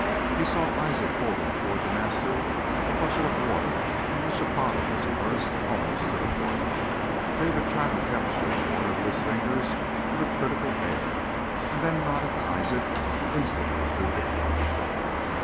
He saw Isaac holding toward the master a bucket of water in which a bottle was immersed almost to the cork; David tried the temperature of the water with his fingers with a critical air, and then nodded to Isaac, who instantly drew the cork.